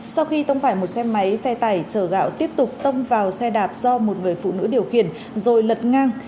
sau khi tông phải một xe máy xe tải chở gạo tiếp tục tông vào xe đạp do một người phụ nữ điều khiển rồi lật ngang